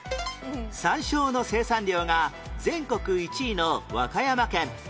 山椒の生産量が全国１位の和歌山県